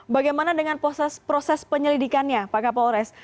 bagaimana dengan proses penyelidikannya pak kapolres